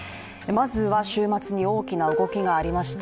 まずは週末に大きな動きがありました